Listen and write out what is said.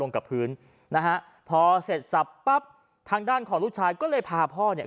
กับพื้นนะฮะพอเสร็จสับปั๊บทางด้านของลูกชายก็เลยพาพ่อเนี่ย